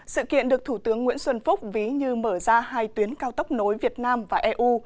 sự kiện được thủ tướng nguyễn xuân phúc ví như mở ra hai tuyến cao tốc nối việt nam và eu